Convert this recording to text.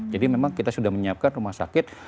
jadi memang kita sudah menyiapkan rumah sakit